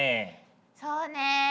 そうね